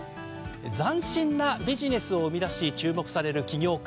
斬新なビジネスを生み出し注目される起業家。